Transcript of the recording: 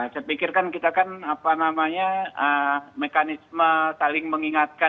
saya pikirkan kita kan apa namanya mekanisme saling mengingatkan